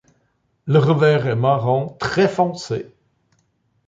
Le revers est marron très foncé.